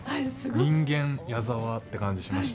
人間・矢沢って感じしました。